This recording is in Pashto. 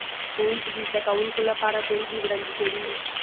ښوونکي د زده کوونکو لپاره بیلګې وړاندې کوي.